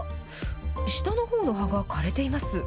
下のほうの葉が枯れています。